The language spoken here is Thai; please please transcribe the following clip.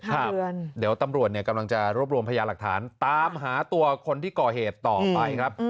เดี๋ยวตำรวจเนี่ยกำลังจะรวบรวมพยาหลักฐานตามหาตัวคนที่ก่อเหตุต่อไปครับ